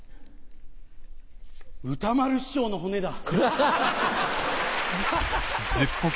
歌丸師匠の骨だ。